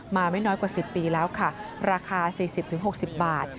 ไม่น้อยกว่า๑๐ปีแล้วค่ะราคา๔๐๖๐บาท